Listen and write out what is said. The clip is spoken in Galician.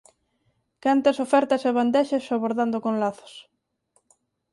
Cantas ofertas e bandexas sobordando con lazos.